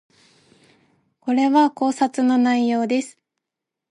これは考察の内容です